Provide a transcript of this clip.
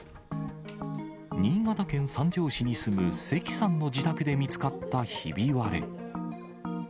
新潟県三条市に住む関さんの自宅で見つかったひび割れ。